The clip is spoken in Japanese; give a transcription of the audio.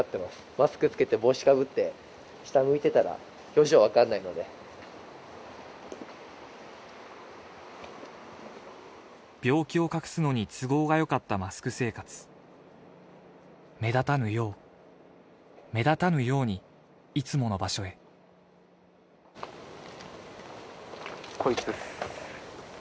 マスクつけて帽子かぶって下向いてたら表情分かんないので病気を隠すのに都合がよかったマスク生活目立たぬよう目立たぬようにいつもの場所へこいつです